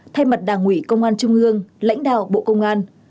thay mặt đảng ủy công an trung ương lãnh đạo bộ công an